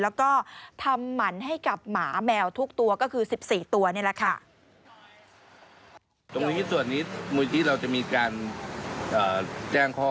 แล้วก็ทำหมันให้กับหมาแมวทุกตัวก็คือ๑๔ตัวนี่แหละค่ะ